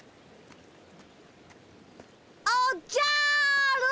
おっじゃる！